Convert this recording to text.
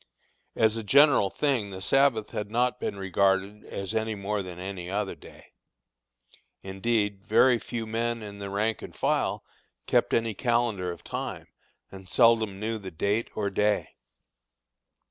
As a general thing the Sabbath had not been regarded as any more than any other day. Indeed, very few men in the rank and file kept any calendar of time, and seldom knew the date or day.